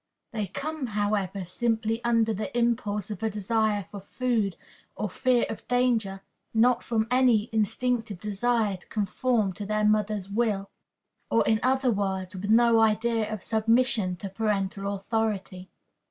They come, however, simply under the impulse of a desire for food or fear of danger, not from any instinctive desire to conform their action to their mother's will; or, in other words, with no idea of submission to parental authority.